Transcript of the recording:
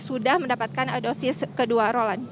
sudah mendapatkan dosis kedua